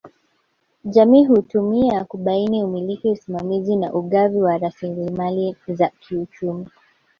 Jamii hutumia kubaini umiliki usimamizi na ugavi wa rasilimali za kiuchumi